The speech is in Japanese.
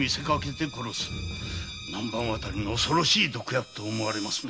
南蛮渡りの恐ろしい毒薬と思われますな。